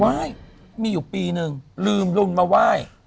ไหว้มีอยู่ปีหนึ่งลืมลุนมาไหว้